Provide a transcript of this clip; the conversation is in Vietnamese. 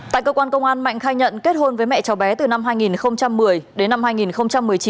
tại cơ quan công an mạnh khai nhận kết hôn với mẹ cháu bé từ năm hai nghìn một mươi đến năm hai nghìn một mươi chín